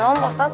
belum pak ustadz